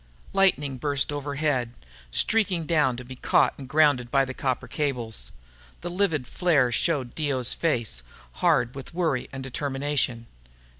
Lightning burst overhead, streaking down to be caught and grounded by the copper cables. The livid flare showed Dio's face, hard with worry and determination.